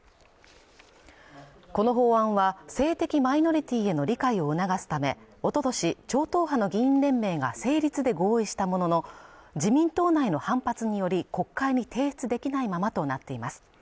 この法案は性的マイノリティーへの理解を促すためおととし超党派の議員連盟が成立で合意したものの自民党内の反発により国会に提出できないままとなっています